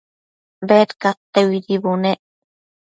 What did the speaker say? Bedcadteuidi bunec